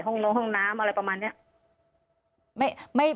ห้องนงห้องน้ำอะไรประมาณนี้